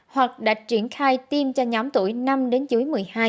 hoặc đã triển khai tiêm cho nhóm tuổi năm đến dưới một mươi hai